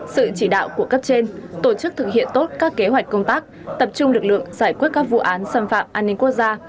sự chỉ đạo của cấp trên tổ chức thực hiện tốt các kế hoạch công tác tập trung lực lượng giải quyết các vụ án xâm phạm an ninh quốc gia